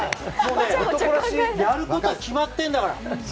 やることは決まっているんだから。